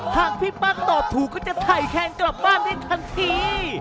หากพี่ปั๊กตอบถูกก็จะถ่ายแคนกลับบ้านได้ทันที